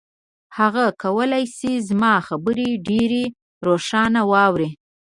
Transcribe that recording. هغه کولای شي زما خبرې ډېرې روښانه واوري.